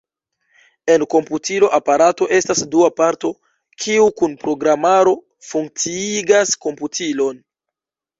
En komputiko aparato estas dua parto, kiu kun programaro funkciigas komputilon.